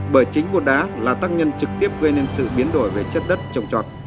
bởi chính bột đá là tăng nhân trực tiếp gây nên sự biến đổi về chất đất trồng trọt